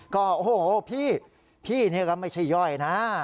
ก็โอ้โหพี่พี่นี่ก็ไม่ใช่ย่อยนะ